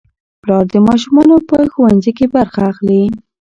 پلار د ماشومانو په ښوونځي کې برخه اخلي